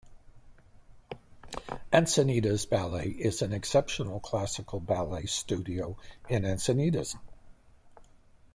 Encinitas Ballet is an exceptional classical ballet studio in Encinitas.